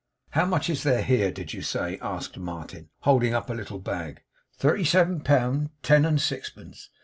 'How much is there here, did you say' asked Martin, holding up a little bag. 'Thirty seven pound ten and sixpence.